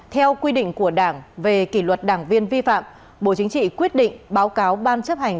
theo quy định của đảng về kỷ luật đảng viên vi phạm bộ chính trị quyết định báo cáo ban chấp hành